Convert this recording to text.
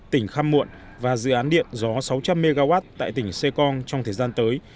tỉnh khăm muộn và dự án điện gió sáu trăm linh mw tại tỉnh sê cong trong thời gian tới